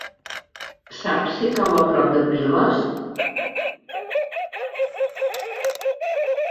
Saps si cau a prop de Piles?